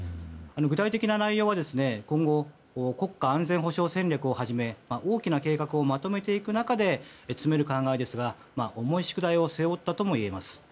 具体的な内容は今後、国家安全保障戦略を踏まえ大きな計画をまとめていく中で詰める考えですが重い宿題を背負ったともいえます。